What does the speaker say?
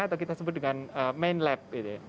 atau kita sebut dengan main lab